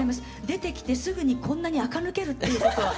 出てきてすぐにこんなにあか抜けるっていうことは。